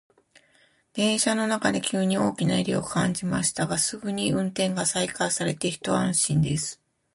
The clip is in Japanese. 電車の中で急に大きな揺れを感じましたが、すぐに運転が再開されて一安心です。